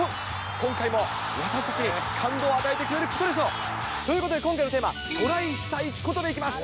今回も私たちに感動を与えてくれることでしょう。ということで今回のテーマ、トライしたいことでいきます。